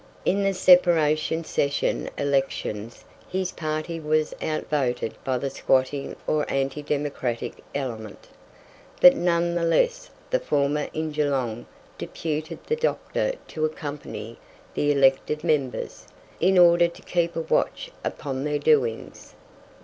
In the separation session elections his party was outvoted by the squatting or anti democratic element; but none the less the former in Geelong deputed the doctor to accompany the elected members, in order to keep a watch upon their doings.